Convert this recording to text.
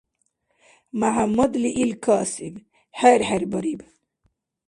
МяхӀяммадли ил касиб, хӀер-хӀебариб.